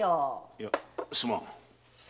いやすまん。